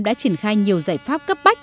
đã triển khai nhiều giải pháp cấp bách